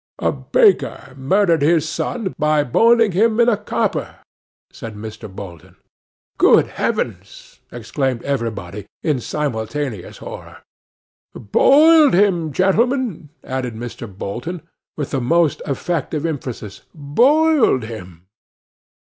'A baker murdered his son by boiling him in a copper,' said Mr. Bolton. 'Good heavens!' exclaimed everybody, in simultaneous horror. 'Boiled him, gentlemen!' added Mr. Bolton, with the most effective emphasis; 'boiled him!